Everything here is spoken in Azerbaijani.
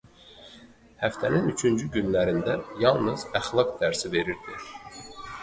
Həftənin üçüncü günlərində yalnız əxlaq dərsi verirdi.